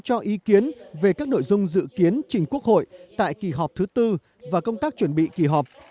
cho ý kiến về các nội dung dự kiến trình quốc hội tại kỳ họp thứ tư và công tác chuẩn bị kỳ họp